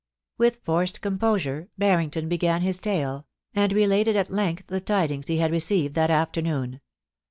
With forced composure Barrington began his tale, and related at length the tidings he had received that afternoon.